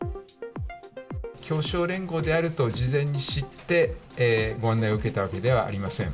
きょうしょう連合であると事前に知って、ご案内を受けたわけではありません。